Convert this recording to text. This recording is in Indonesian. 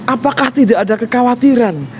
apakah tidak ada kekhawatiran